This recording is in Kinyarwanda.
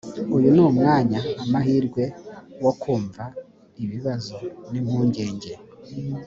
uyu ni umwanya amahirwe wo kumva ibibazo n impungenge